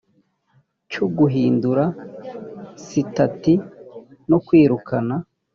cyo guhindura sitati no kwirukana